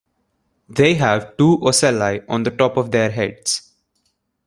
They have two ocelli on the top of their heads.